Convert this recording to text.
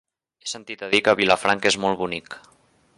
He sentit a dir que Vilafranca és molt bonic.